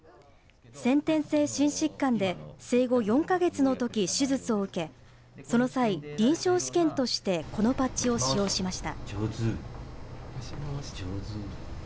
先天性心疾患で生後４か月のとき手術を受け、その際、臨床試験としてこのパッチを使用しました。